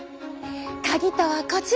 カギとはこちら！